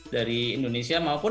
dari indonesia maupun